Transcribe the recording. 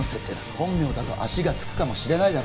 本名だと足がつくかもしれないだろ